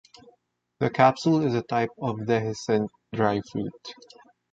The capsule is a type of dehiscent dry fruit.